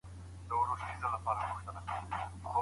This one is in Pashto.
رواني پوهه ښوونکي ته لارښوونه کوي.